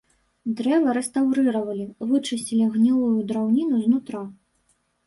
Дрэва рэстаўрыравалі, вычысцілі гнілую драўніну з нутра.